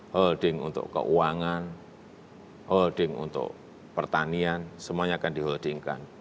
holding untuk keuangan holding untuk pertanian semuanya akan diholdingkan